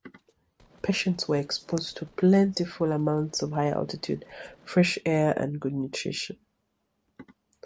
Patients were exposed to plentiful amounts of high altitude, fresh air, and good nutrition.